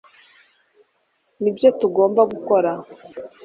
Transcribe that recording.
nibyo tugomba gukora